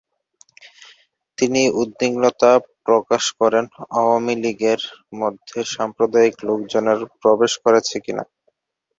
তিনি উদ্বিগ্নতা প্রকাশ করেন আওয়ামী লীগের মধ্যে সাম্প্রদায়িক লোকজন প্রবেশ করেছে কিনা।